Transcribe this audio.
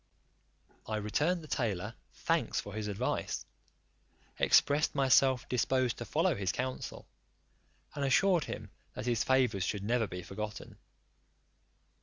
I returned the tailor thanks for his advice, expressed himself disposed to follow his counsel, and assured him that his favours should never be forgotten.